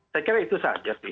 saya kira itu saja